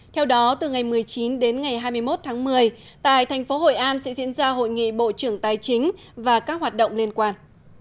theo đó từ ngày một mươi chín đến ngày hai mươi một tháng một mươi tại thành phố hội an sẽ diễn ra hội nghị bộ trưởng tài chính và các hoạt động liên quan